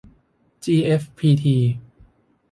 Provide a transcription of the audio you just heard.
จีเอฟพีที